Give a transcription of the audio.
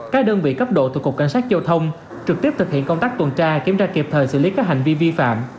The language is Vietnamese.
các đơn vị cấp độ thuộc cục cảnh sát giao thông trực tiếp thực hiện công tác tuần tra kiểm tra kịp thời xử lý các hành vi vi phạm